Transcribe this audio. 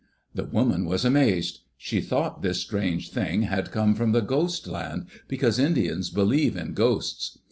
The woman was amazed. She thought this strange Thing had come from the Ghost Land, because Indians believe in ghosts.